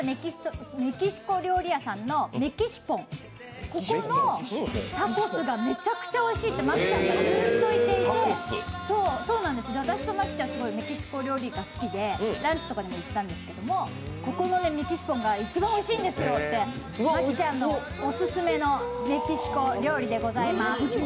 メキシコ料理屋さんのＭＥＸＩＰＯＮ、ここのタコスがめちゃくちゃおいしいと麻貴ちゃんがずっと言っていて、私と麻貴ちゃん、メキシコ料理が好きで、ランチとか行ったんですがここのＭＥＸＩＰＯＮが一番おいしいんですよって、麻貴ちゃんのオススメのメキシコ料理でございます。